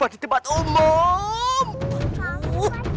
dan kita bisa pembahasan